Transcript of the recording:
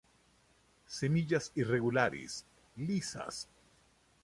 Semillas irregulares, lisas.